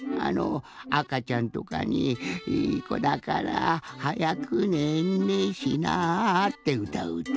あかちゃんとかに「いいこだからはやくねんねしな」ってうたううた。